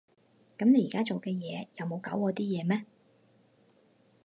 噉你而家做嘅嘢又冇搞禍啲嘢咩？